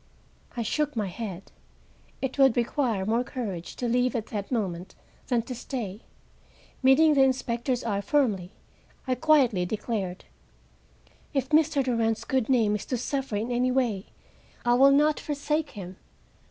I shook my head. It would require more courage to leave at that moment than to stay. Meeting the inspector's eye firmly, I quietly declared, "If Mr. Durand's good name is to suffer in any way, I will not forsake him.